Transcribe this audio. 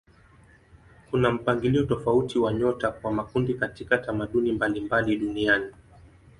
Kuna mpangilio tofauti wa nyota kwa makundi katika tamaduni mbalimbali duniani.